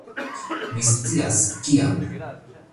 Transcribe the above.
Vi scias, kian.